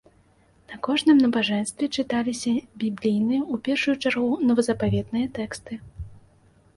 На кожным набажэнстве чыталіся біблійныя, у першую чаргу, новазапаветныя тэксты.